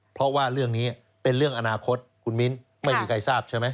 เพราะว่าเรื่องนี้เป็นเรื่องอนาคตคุณมิ้นไม่มีใครทราบใช่ไหม